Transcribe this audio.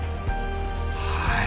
はい。